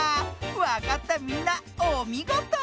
わかったみんなおみごと。